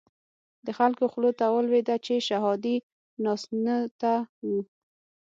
د خلکو خولو ته ولويده چې شهادي ناسنته وو.